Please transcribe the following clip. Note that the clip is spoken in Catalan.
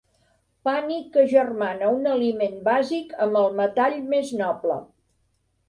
Pànic que agermana un aliment bàsic amb el metall més noble.